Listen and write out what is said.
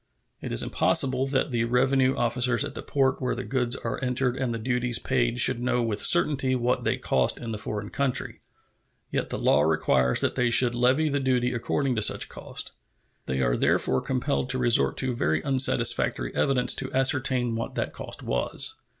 It is impossible that the revenue officers at the port where the goods are entered and the duties paid should know with certainty what they cost in the foreign country. Yet the law requires that they should levy the duty according to such cost. They are therefore compelled to resort to very unsatisfactory evidence to ascertain what that cost was.